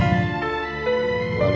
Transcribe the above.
nah ini rumahnya